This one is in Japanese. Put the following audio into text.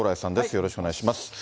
よろしくお願いします。